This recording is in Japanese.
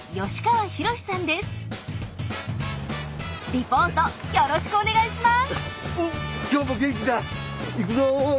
リポートよろしくお願いします！